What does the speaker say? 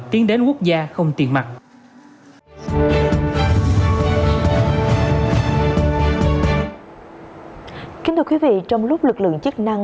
kính thưa quý vị trong lúc lực lượng chức năng